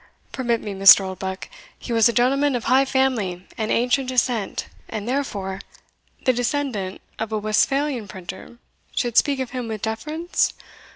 "Permit me, Mr. Oldbuck he was a gentleman of high family, and ancient descent, and therefore" "The descendant of a Westphalian printer should speak of him with deference?